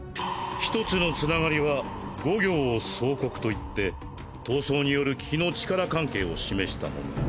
一つのつながりは五行相剋といって闘争による気の力関係を示したもの。